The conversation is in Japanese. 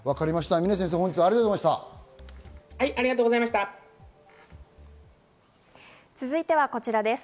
峰先生、ありがとうございました。